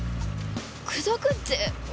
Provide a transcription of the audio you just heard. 口説くって俺男。